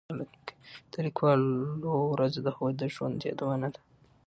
د لیکوالو ورځ د هغوی د ژوند یادونه ده.